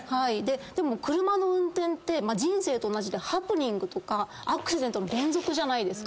でも車の運転って人生と同じでハプニングとかアクシデントの連続じゃないですか。